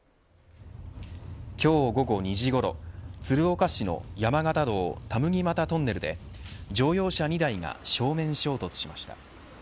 今日午後２時ごろ鶴岡市の山形道田麦俣トンネルで乗用車２台が正面衝突しました。